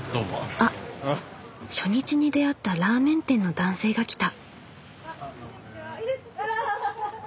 あっ初日に出会ったラーメン店の男性が来た。